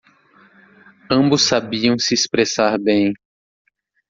Ambos sabiam se expressar bem.